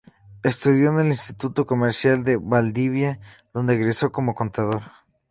Estudió en el Instituto Comercial de Valdivia, donde egresó como Contador.